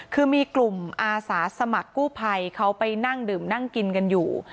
คือมีกลุ่มอาสาสมัครกู้ภัยเขาไปนั่งดื่มนั่งกินกันอยู่